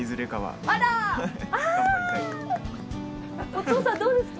お父さんどうですか？